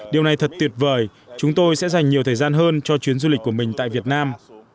điều này thật tuyệt vời chúng tôi sẽ dành nhiều thời gian hơn cho chuyến du lịch của mình tại việt nam